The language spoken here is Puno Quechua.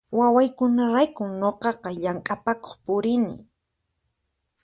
Wawaykunaraykun nuqaqa llamk'apakuq purini